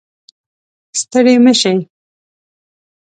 ستړې مه شئ